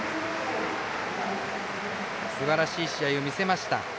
すばらしい試合を見せました。